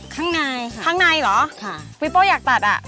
ข้างในค่ะค่ะข้างในเหรอปีโป้อยากตัด